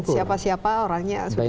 siapa siapa orangnya sudah tahu